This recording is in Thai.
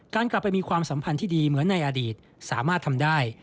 กลับไปมีความสัมพันธ์ที่ดีเหมือนในอดีตสามารถทำได้